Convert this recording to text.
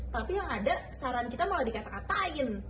tapi yang ada saran kita malah dikata katain